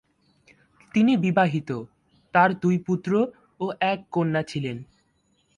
তিনি বিবাহিত, তার দুই পুত্র ও এক কন্যা ছিলেন।